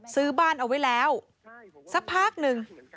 ซื้อบ้านเอาไว้แล้วสักพักหนึ่ง